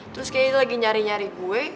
terus kayaknya dia lagi nyari nyari gue